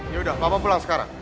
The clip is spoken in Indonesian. ya udah bapak pulang sekarang